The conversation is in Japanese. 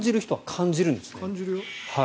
感じるんですよね。